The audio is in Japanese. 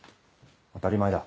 当たり前だ。